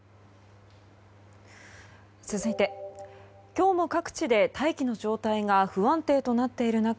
今日も各地で大気の状態が不安定となっている中